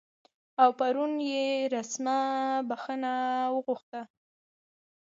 او پرون یې رسما بخښنه وغوښته